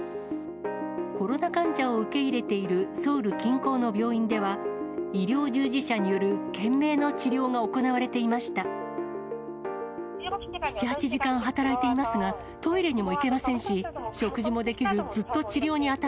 コロナ患者を受け入れているソウル近郊の病院では、医療従事者による懸命の治療が行われていました。